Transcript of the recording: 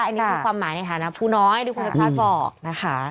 อันนี้คือความหมายในฐานะภูน้อยที่คุณศักดิ์ศาสตร์บอกนะคะ